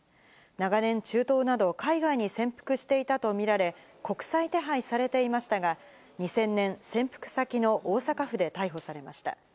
長年、中東など海外に潜伏していたと見られ、国際手配されていましたが、２０００年、潜伏先の大阪府で逮捕されました。